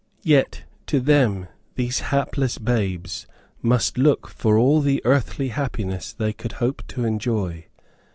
Yet to them these hapless babes must look for all the earthly happiness they could hope to enjoy.